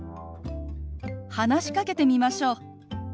話しかけてみましょう。